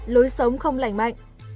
lối sống không lành mạnh